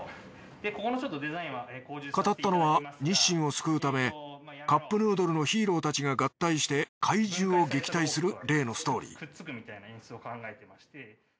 語ったのは日清を救うためカップヌードルのヒーローたちが合体して怪獣を撃退する例のストーリー